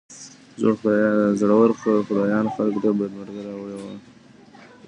زړو خدايانو خلګو ته بدمرغي راوړې وه.